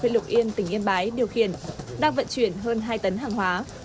độc yên tỉnh yên bái điều khiển đang vận chuyển hơn hai tấn hàng hóa